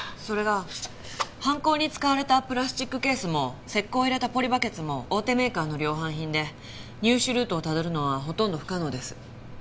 それが犯行に使われたプラスチックケースも石膏を入れたポリバケツも大手メーカーの量販品で入手ルートをたどるのはほとんど不可能です。